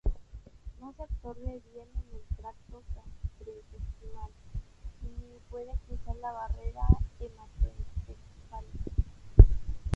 No se absorbe bien en el tracto gastrointestinal ni puede cruzar la barrera hematoencefálica.